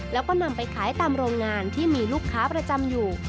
แล้วก็นำไปขายตามโรงงานที่มีลูกค้าประจำอยู่